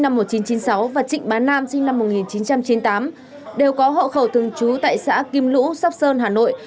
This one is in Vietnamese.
năm một nghìn chín trăm chín mươi sáu và trịnh bá nam sinh năm một nghìn chín trăm chín mươi tám đều có hộ khẩu thường trú tại xã kim lũ sóc sơn hà nội